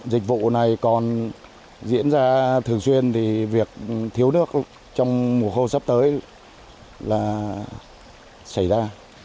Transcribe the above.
dịch vụ này còn diễn ra thường xuyên thì việc thiếu nước trong mùa khô sắp tới là xảy ra